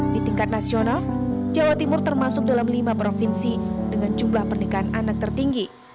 di tingkat nasional jawa timur termasuk dalam lima provinsi dengan jumlah pernikahan anak tertinggi